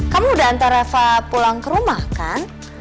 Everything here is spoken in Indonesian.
kamu udah hantar reva pulang ke rumah kan